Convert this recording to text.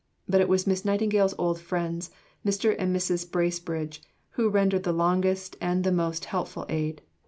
But it was Miss Nightingale's old friends, Mr. and Mrs. Bracebridge, who rendered the longest and the most helpful aid.